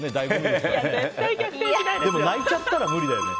でも泣いちゃったら無理だよね。